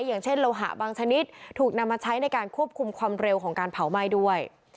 อย่างเช่นโลหะบางชนิดถูกนำมาใช้ในการควบคุมความเร็วของการเผาไหม้ด้วย